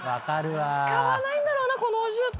使わないんだろうなこのお重。